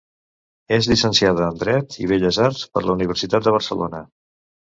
És llicenciada en Dret i Belles Arts per la Universitat de Barcelona.